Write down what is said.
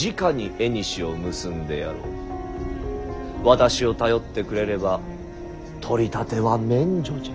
私を頼ってくれれば取り立ては免除じゃ。